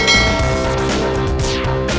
nggak akan ngediam nih